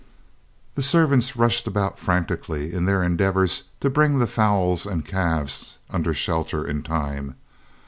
The servants rushed about frantically, in their endeavours to bring the fowls and calves under shelter in time.